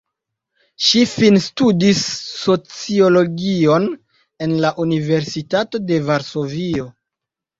Ŝi finstudis sociologion en la Universitato de Varsovio.